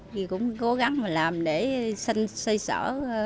thì cũng cố gắng mà làm để xây sở